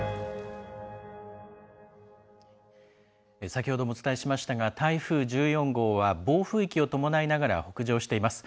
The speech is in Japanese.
先ほどもお伝えしましたが、台風１４号は、暴風域を伴いながら北上しています。